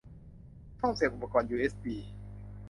ช่องเสียบอุปกรณ์ยูเอสบี